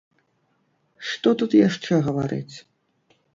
Што тут яшчэ гаварыць?